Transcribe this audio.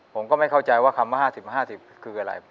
ผมก็ไม่เข้าใจว่าคำว่า๕๐๕๐คืออะไร